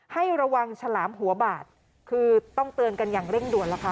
ให้ระวังฉลามหัวบาดคือต้องเตือนกันอย่างเร่งด่วนแล้วค่ะ